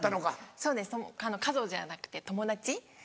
そうです家族じゃなくて友達。